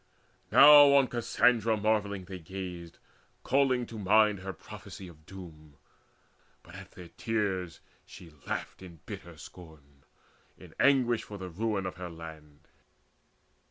Now on Cassandra marvelling they gazed, Calling to mind her prophecy of doom; But at their tears she laughed in bitter scorn, In anguish for the ruin of her land.